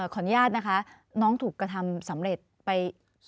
ขออนุญาตนะคะน้องถูกกระทำสำเร็จไป